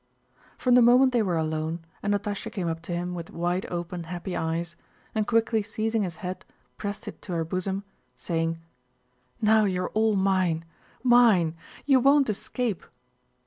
From the moment they were alone and Natásha came up to him with wide open happy eyes, and quickly seizing his head pressed it to her bosom, saying: "Now you are all mine, mine! You won't escape!"